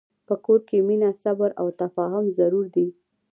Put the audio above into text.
په کور کې مینه، صبر، او تفاهم ضرور دي.